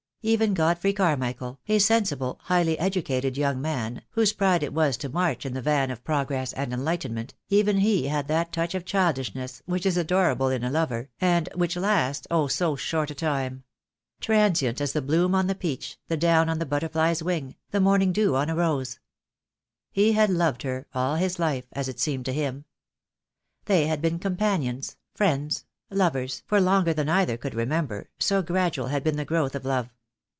Even Godfrey Carmichael, a sensible, highly educated young man, whose pride it was to march in the van of progress and enlightenment, even he had that touch of childishness which is adorable in a lover, and which lasts, oh, so short a time: transient as the bloom on the peach, the down on the butterfly's wing, the morning dew on a rose. He had loved her all his life, as it seemed to him. They had been companions, friends, lovers, for longer than either could remember, so gradual had been the growth of love.